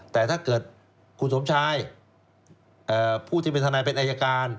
แต่ถ้าเกิดคุณสมชายผู้ที่เป็นทนายเป็นอายการ